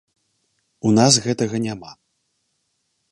У нас гэтага няма.